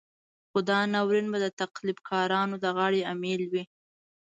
خو دا ناورين به د تقلب کارانو د غاړې امېل وي.